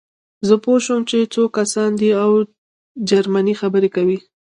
زه پوه شوم چې څو کسان دي او جرمني خبرې کوي